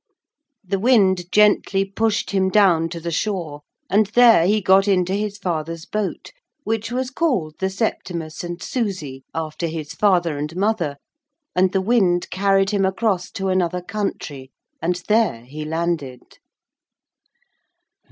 The wind gently pushed him down to the shore, and there he got into his father's boat, which was called the Septimus and Susie, after his father and mother, and the wind carried him across to another country and there he landed.